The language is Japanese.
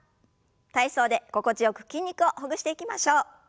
体操で心地よく筋肉をほぐしていきましょう。